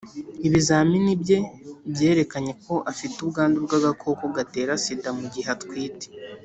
Ibizami bye byerekanye ko afite ubwandu bw agakoko gatera sida mu gihe atwite